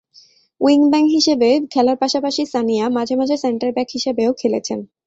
Wing-back হিসেবে খেলার পাশাপাশি সানিয়া মাঝে মাঝে সেন্টার ব্যাক হিসেবেও খেলেছেন।